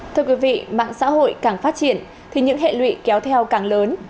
thưa quý vị mạng xã hội càng phát triển thì những hệ lụy kéo theo càng lớn